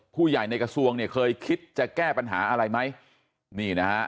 ในกระทรวงเนี่ยเคยคิดจะแก้ปัญหาอะไรไหมนี่นะฮะ